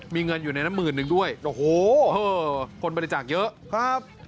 มีเงินอยู่ในนั้นหมื่นนึงด้วยโอ้โหคนบริจาคเยอะครับ